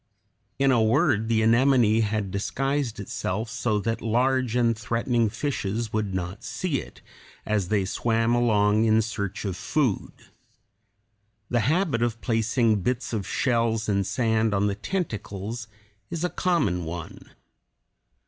In a word, the anemone had disguised itself so that large and threatening fishes would not see it, as they swam along in search of food. The habit of placing bits of shells and sand on the tentacles is a common one.